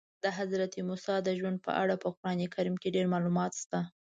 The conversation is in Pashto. د حضرت موسی د ژوند په اړه په قرآن کې ډېر معلومات شته.